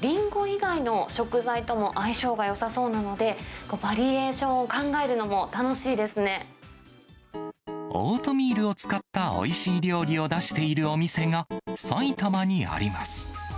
りんご以外の食材とも相性がよさそうなので、バリエーションを考オートミールを使ったおいしい料理を出しているお店が、埼玉にあります。